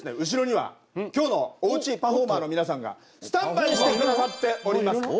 後ろには今日のおうちパフォーマーの皆さんがスタンバイして下さっております。